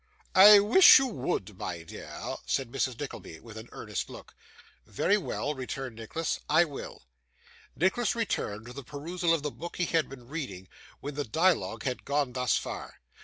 'I wish you would, my dear,' said Mrs. Nickleby, with an earnest look. 'Very well,' returned Nicholas. 'I will.' Nicholas returned to the perusal of the book he had been reading, when the dialogue had gone thus far.